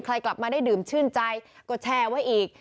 กลับมาได้ดื่มชื่นใจก็แช่ไว้อีก